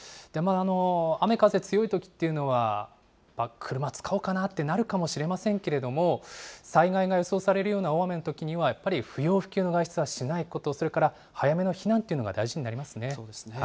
雨風強いときっていうのは、車使おうかなってなるかもしれませんけれども、災害が予想されるような大雨のときには、やっぱり不要不急の外出はしないこと、それから、早めの避難というのが大事になりますね。